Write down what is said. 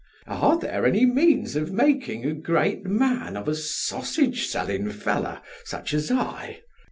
S. S. Are there any means of making a great man Of a sausage selling fellow such as I?